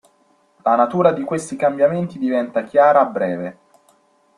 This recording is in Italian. La natura di questi cambiamenti diventa chiara a breve.